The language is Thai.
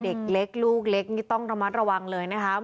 เด็กเล็กลูกเล็กนี่ต้องระมัดระวังเลยนะครับ